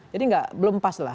jadi belum pas lah